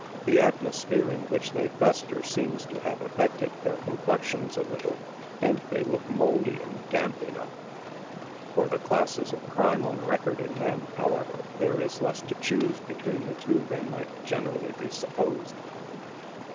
The atmosphere in which they fester seems to have affected their complexions a little, and they look mouldy and damp enough. THE STATION IIOUSES. 37 For the classes of crime on record in them, however, there is less to choose between the two than might generally be supposed.